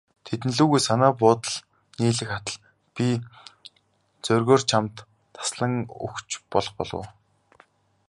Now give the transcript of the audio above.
Тэдэн лүгээ санаа бодол нийлэх атал, би зоригоор чамд таслан өгч болох буюу.